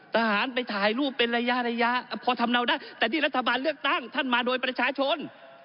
ทหารไปถ่ายรูปเป็นระยะระยะพอทำเนาได้แต่ที่รัฐบาลเลือกตั้งท่านมาโดยประชาชน